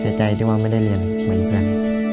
เสียใจที่ว่าไม่ได้เรียนเหมือนกัน